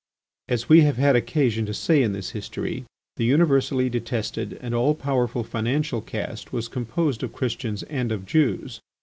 As we have had occasion to say in this history, the universally detested and all powerful financial caste was composed of Christians and of Jews.